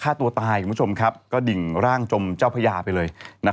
ฆ่าตัวตายคุณผู้ชมครับก็ดิ่งร่างจมเจ้าพญาไปเลย